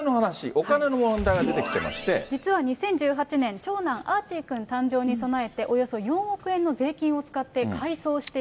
お金の問題が出実は２０１８年、長男、アーチーくん誕生に備えて、およそ４億円の税金を使って改装している。